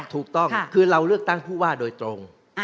ถูกต้องคือเราเลือกตั้งผู้ว่าโดยตรง